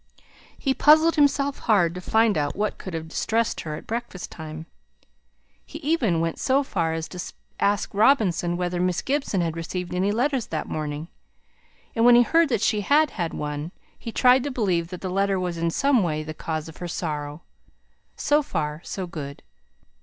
He puzzled himself hard to find out what could have distressed her at breakfast time. He even went so far as to ask Robinson whether Miss Gibson had received any letters that morning; and when he heard that she had had one, he tried to believe that the letter was in some way the cause of her sorrow. So far so good.